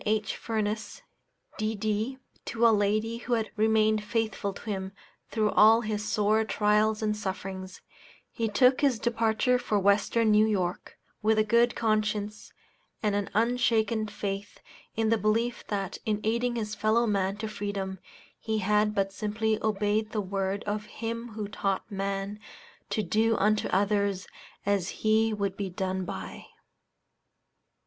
H. Furness, D.D., to a lady who had remained faithful to him through all his sore trials and sufferings, he took his departure for Western New York, with a good conscience and an unshaken faith in the belief that in aiding his fellow man to freedom he had but simply obeyed the word of Him who taught man to do unto others as he would be done by.